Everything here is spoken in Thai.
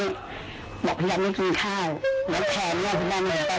ทำไมถึงทำแบบนี้บอกพี่หนักไม่กินข้าว